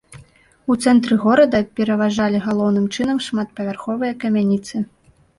У цэнтры горада пераважалі галоўным чынам шматпавярховыя камяніцы.